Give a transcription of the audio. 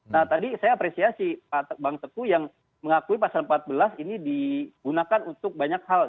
nah tadi saya apresiasi pak bang teguh yang mengakui pasal empat belas ini digunakan untuk banyak hal